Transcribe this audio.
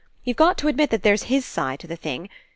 You've got to admit that there's his side to the thing.